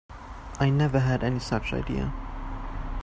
I never had any such idea.